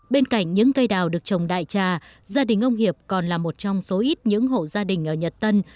bên cạnh những cây đào được trồng đại trà gia đình ông hiệp còn là một trong số ít những hộ gia đình ở nhật tân